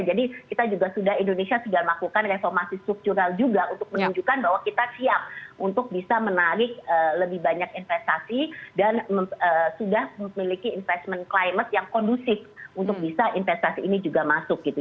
jadi kita juga sudah indonesia sudah melakukan reformasi struktural juga untuk menunjukkan bahwa kita siap untuk bisa menarik lebih banyak investasi dan sudah memiliki investment climate yang kondusif untuk bisa investasi ini juga masuk gitu